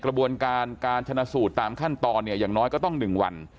กระบวนการการชนะสูตรตามขั้นตอนเนี่ยอย่างน้อยก็ต้อง๑วัน